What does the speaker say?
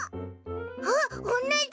あっおんなじ！